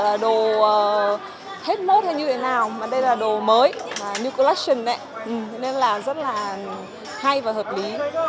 đây là đồ hết mốt hay như thế nào mà đây là đồ mới new collection đấy nên là rất là hay và hợp lý